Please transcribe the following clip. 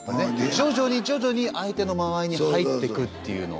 徐々に徐々に相手の間合いに入ってくっていうのを。